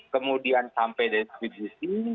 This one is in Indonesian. kemudian sampai distribusi